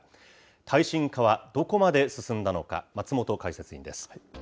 耐震化はどこまで進んだのか、松本解説委員です。